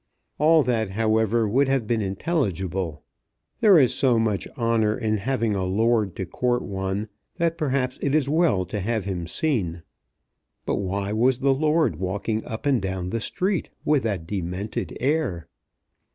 All that, however, would have been intelligible. There is so much honour in having a lord to court one that perhaps it is well to have him seen. But why was the lord walking up and down the street with that demented air?